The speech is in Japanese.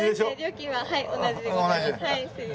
料金ははい同じでございます。